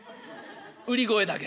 売り声だけでね」。